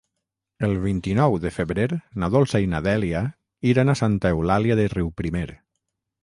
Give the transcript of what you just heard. El vint-i-nou de febrer na Dolça i na Dèlia iran a Santa Eulàlia de Riuprimer.